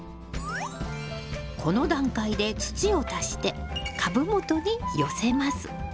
この段階で土を足して株元に寄せます。